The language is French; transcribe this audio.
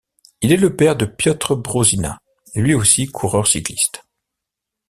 Il est le père de Piotr Brożyna, lui aussi coureur cycliste.